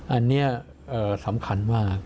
อันนี้สำคัญมาก